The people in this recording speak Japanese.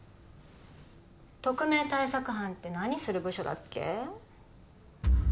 特命対策班って何する部署だっけ